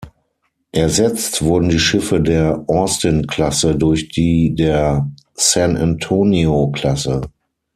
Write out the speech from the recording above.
Ersetzt wurden die Schiffe der "Austin-Klasse" durch die der "San-Antonio-Klasse".